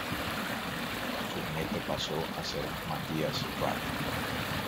Su jinete pasó a ser Matthias Rath.